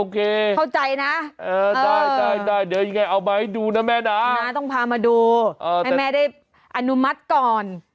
ก็ต้องไปอนุมัติก่อน